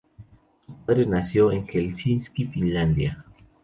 Su padre nació en Helsinki, Finlandia.